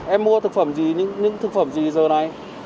em mua thực phẩm gì những thực phẩm gì giờ này